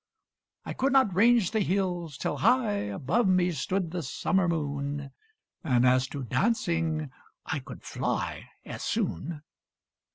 I could not range the hills till high Above me stood the summer moon: And as to dancing, I could fly As soon.